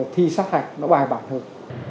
thi sát hạch nó bài bản hơn